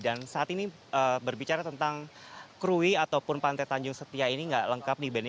saat ini berbicara tentang krui ataupun pantai tanjung setia ini nggak lengkap nih benny